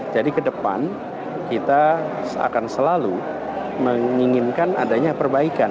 jadi ke depan kita akan selalu menginginkan adanya perbaikan